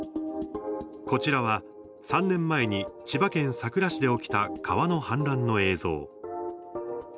こちらは、３年前に千葉県佐倉市で起きた川の氾濫の映像。